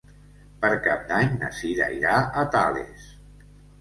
Per Cap d'Any na Cira irà a Tales.